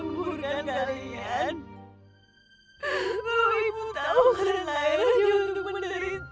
ibu gak tau kenapa semua orang muda itu membenci kalian